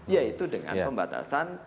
yaitu dengan pembatasan atas atas dukungan